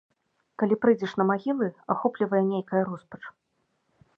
Калі прыйдзеш на магілы, ахоплівае нейкая роспач.